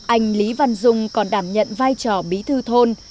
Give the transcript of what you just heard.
anh lý văn dung còn đảm nhận vai trò bí thư thôn